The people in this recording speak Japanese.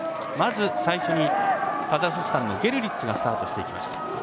まず、最初にカザフスタンのゲルリッツがスタートしていきました。